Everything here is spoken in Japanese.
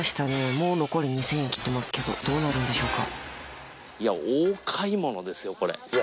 もう残り２０００円切ってますけどどうなるんでしょうか大買い物。